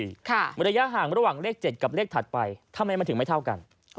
ระยะห่างระหว่างเลข๗กับเลขถัดไปทำไมมันถึงไม่เท่ากัน